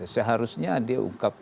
seharusnya dia ungkap